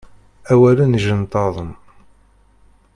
Awalen ijenṭaḍen.